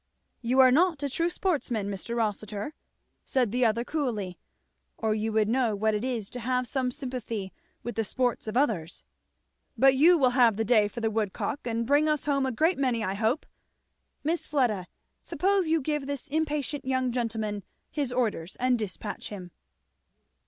"You are not a true sportsman, Mr. Rossitur," said the other coolly, "or you would know what it is to have some sympathy with the sports of others. But you will have the day for the woodcock, and bring us home a great many I hope. Miss Fleda, suppose we give this impatient young gentleman his orders and despatch him."